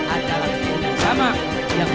adalah tim yang sama